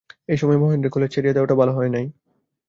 এ সময়ে মহেন্দ্রের কলেজ ছাড়িয়া দেওয়াটা ভালো হয় নাই।